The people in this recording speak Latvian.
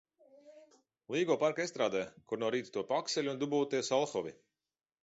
Līgo parka estrādē, kur no rīta top akseļi un dubultie salhovi.